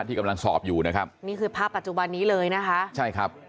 ที่กำลังสอบอยู่นะครับนี่คือภาพปัจจุบันนี้เลยนะคะใช่ครับ